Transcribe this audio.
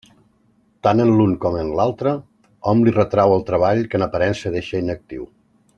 Tant en l'un com en l'altre, hom li retrau el treball que en aparença deixa inactiu.